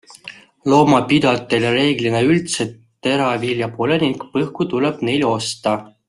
Loomapidajatel reeglina üldse teravilja pole ning põhku tuleb neil osta.